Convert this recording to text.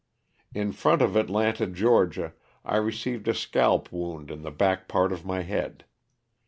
In front of Atlanta, Ga., I received a scalp wound in the back part of my head.